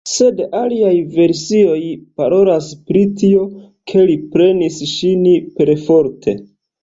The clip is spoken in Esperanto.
Sed aliaj versioj parolas pri tio, ke li prenis ŝin perforte.